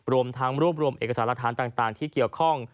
รวมทั้งรวบรวมเอกสารหลักฐานต่างที่เกี่ยวข้อง